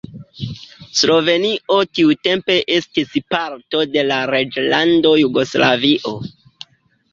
Slovenio tiutempe estis parto de la Reĝlando Jugoslavio.